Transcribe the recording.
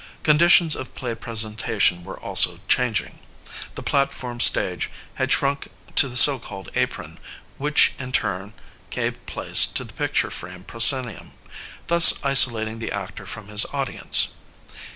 Conditions of play presentation were also changing. The platform stage had shrunk to the so called apron, which in turn gave place to the picture frame proscenium, thus isolating the actor from his audience.